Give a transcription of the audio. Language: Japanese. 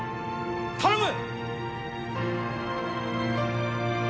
頼む！